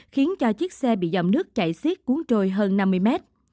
khiến cho chiếc xe bị dòng nước chảy xiết cuốn trôi hơn năm mươi mét